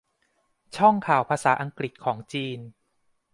ช่องข่าวภาษาอังกฤษของจีน